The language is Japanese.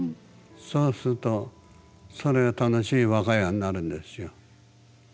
そうするとそれが楽しい我が家になるんですよ。